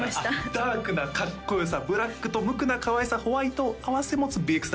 ダークなかっこよさブラックと無垢なかわいさホワイトを併せ持つＢＸＷ